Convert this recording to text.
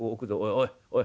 おいおい。